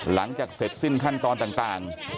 หลังจากเสร็จสิ้นขั้นตอนต่าง